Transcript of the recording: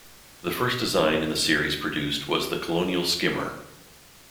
The first design in the series produced was the Colonial Skimmer.